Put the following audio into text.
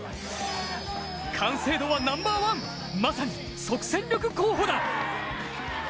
完成度はナンバーワンまさに即戦力候補だ。